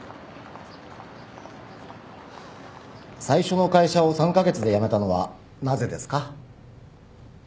最初の会社を３カ月で辞めたのはなぜですか？